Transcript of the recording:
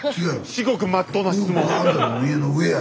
至極まっとうな質問。